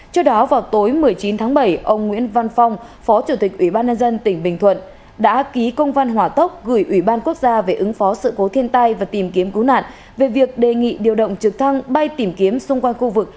trước đó vào tối một mươi chín tháng bảy ông nguyễn văn phong phó chủ tịch ủy ban nhân dân tỉnh bình thuận đã ký công văn hỏa tốc gửi ủy ban quốc gia về ứng phó sự cố thiên tai và tìm kiếm cứu nạn về việc đề nghị điều động trực thăng bay tìm kiếm xung quanh khu vực